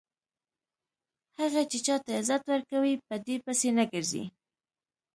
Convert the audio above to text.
هغه چې چاته عزت ورکوي په دې پسې نه ګرځي.